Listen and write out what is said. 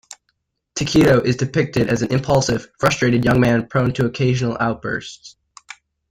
Taketo is depicted as an impulsive, frustrated young man prone to occasional outbursts.